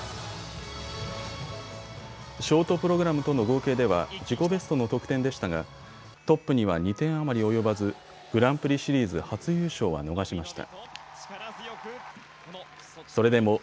ショートプログラムとの合計では自己ベストの得点でしたがトップには２点余り及ばずグランプリシリーズ初優勝は逃しました。